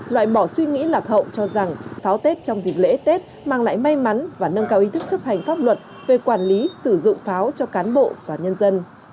loại bỏ suy nghĩ lạc hậu cho rằng pháo tết trong dịp lễ tết mang lại may mắn và nâng cao ý thức chấp hành pháp luật về quản lý sử dụng pháo cho cán bộ và nhân dân